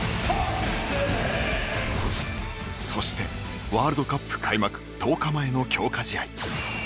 そして、ワールドカップ開幕１０日前の強化試合。